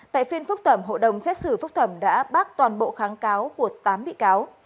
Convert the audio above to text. tại phiên phúc thẩm hộ đồng xét xử phúc thẩm đã bác toàn bộ kháng cáo của tám bị cáo